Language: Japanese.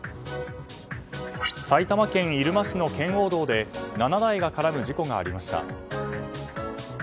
埼玉県入間市の圏央道で７台が絡む事故がありました。